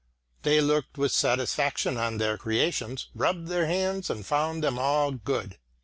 They looked with satisfaction on their creations, rubbed their hands, and found them all good.